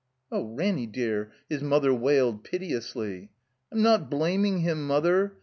Oh! Ranny, dear," his mother wail 1, piteously. I'm not blaming him, Mother.